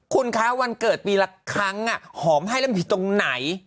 คุณคะวันเกิดปีละครั้งหอมให้แล้วมีตรงไหน